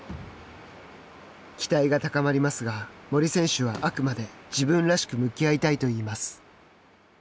期待が高まりますが森選手はあくまで自分らしく向き合いたいといいます。